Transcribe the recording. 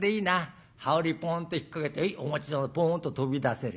羽織ポンって引っ掛けて『へえお待ち遠』。ポンと飛び出せる。